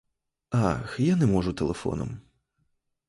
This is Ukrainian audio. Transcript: Ах, я не можу телефоном.